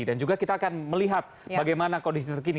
dan juga kita akan melihat bagaimana kondisi terkini